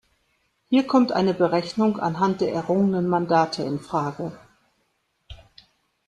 Hier kommt eine Berechnung anhand der errungenen Mandate in Frage.